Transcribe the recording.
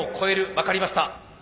分かりました。